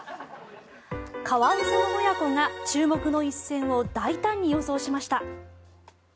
カワウソの親子が注目の一戦を大胆に予想しました。